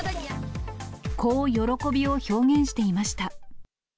こう喜びを表現していました。